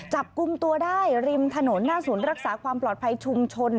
จับกลุ่มตัวได้ริมถนนหน้าศูนย์รักษาความปลอดภัยชุมชน